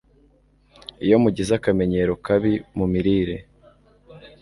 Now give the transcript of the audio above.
Iyo mugize akamenyero kabi mu mirire